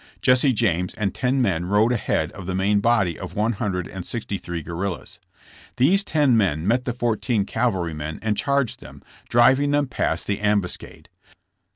Jesse James and ten men rode ahead of the main body of one hundred and sixty three guerrillas. These ten men met the fourteen cavalrymen and charged them, driving them past the ambuscade.